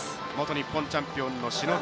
元日本チャンピオンの篠藤。